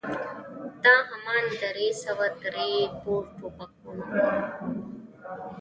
دا همان درې سوه درې بور ټوپکونه وو.